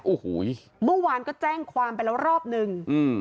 โอ้โหเมื่อวานก็แจ้งความไปแล้วรอบนึง